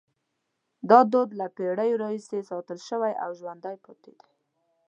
دا دود له پیړیو راهیسې ساتل شوی او ژوندی پاتې دی.